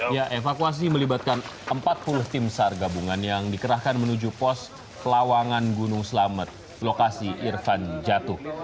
ya evakuasi melibatkan empat puluh tim sar gabungan yang dikerahkan menuju pos pelawangan gunung selamet lokasi irfan jatuh